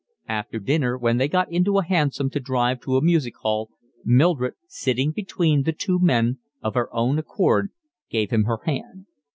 After dinner when they got into a hansom to drive to a music hall Mildred, sitting between the two men, of her own accord gave him her hand.